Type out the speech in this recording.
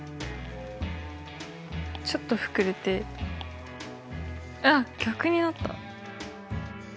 ちょっと膨れてあっ逆になった。